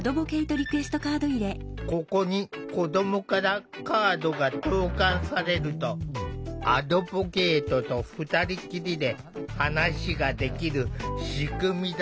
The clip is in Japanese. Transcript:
ここに子どもからカードが投かんされるとアドボケイトと２人きりで話ができる仕組みだ。